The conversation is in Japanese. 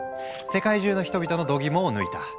世界中の人々のどぎもを抜いた。